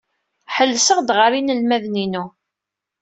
Ḥellseɣ-d ɣer yinelmaden-inu.